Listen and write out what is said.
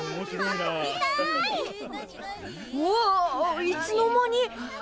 わっいつの間に？